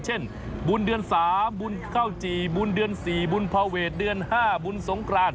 เช่นบุญเดือนสามบุญเก้าจีบุญเดือนสี่บุญพาเวทเดือนห้าบุญทรงกราน